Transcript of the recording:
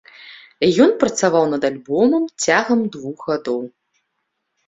Ён працаваў над альбомам цягам двух гадоў.